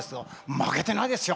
負けてないですよ！